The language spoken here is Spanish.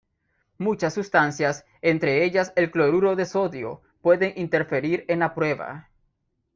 Muchas sustancias, entre ellas el cloruro de sodio, pueden interferir en la prueba.